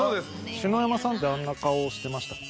篠山さんってあんな顔してましたっけ？